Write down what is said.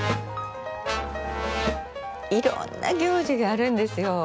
いろんな行事があるんですよ。